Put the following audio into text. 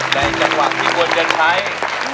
เป็นหวังที่คุณจะใช้